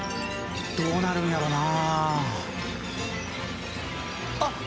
どうなるんやろうなあ。